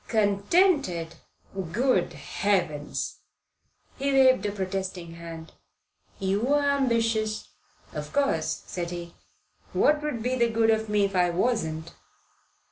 "Contented? Good heavens!" He waved a protesting hand. "You're ambitious." "Of course," said he. "What would be the good of me if I wasn't?"